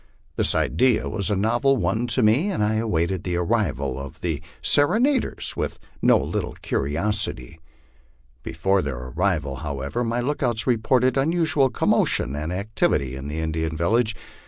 This idea was a novel one to me, and I awaited the arrival of the serenaders with no little curi osity. Before their arrival, however, my lookouts reported unusual commotion and activity in the Indian village.